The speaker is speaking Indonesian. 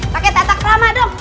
pake tetakrama dong